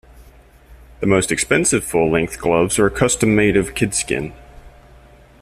The most expensive full-length gloves are custom-made of kidskin.